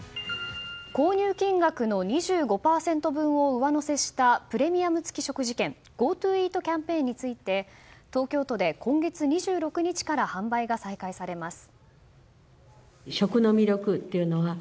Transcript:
購入金額の２５％分を上乗せしたプレミアム付食事券ＧｏＴｏイートキャンペーンについて東京都で今月２６日から販売が再開されます。